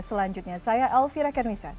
selanjutnya saya elvira kermisa